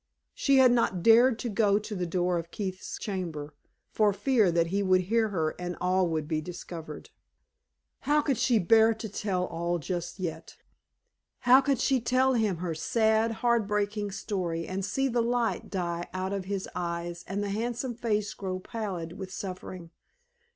She had not dared to go to the door of Keith's chamber, for fear that he would hear her and all would be discovered. How could she bear to tell him all just yet? How could she tell him her sad, heart breaking story, and see the light die out of his eyes and the handsome face grow pallid with suffering?